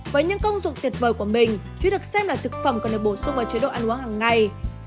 với những công dụng tuyệt vời của mình khuyết được xem là thực phẩm cần được bổ sung vào chế độ ăn uống hàng ngày